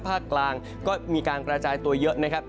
ภาคกลางก็มีการกระจายตัวเยอะนะครับ